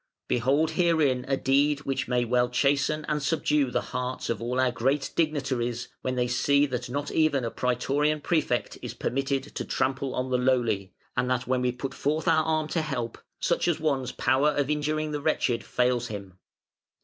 Behold herein a deed which may well chasten and subdue the hearts of all our great dignitaries when they see that not even a Prætorian Prefect is permitted to trample on the lowly, and that when we put forth our arm to help, such an one's power of injuring the wretched fails him.